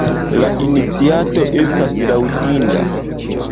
La iniciato estas laŭdinda.